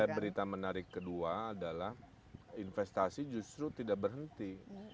dan ada berita menarik kedua adalah investasi justru tidak berhenti